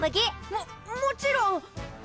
ももちろん！